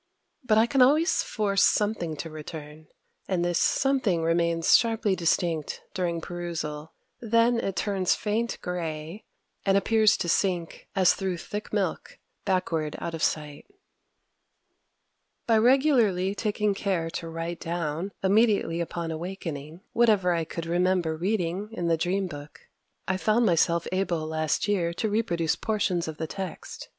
But I can always force something to return; and this something remains sharply distinct during perusal. Then it turns faint grey, and appears to sink as through thick milk backward out of sight. By regularly taking care to write down, immediately upon awakening, whatever I could remember reading in the dream book, I found myself able last year to reproduce portions of the text.